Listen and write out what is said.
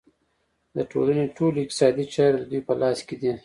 د ټولنې ټولې اقتصادي چارې د دوی په لاس کې دي